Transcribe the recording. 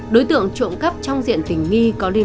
đối tượng trộm cắp trong diện tình nghi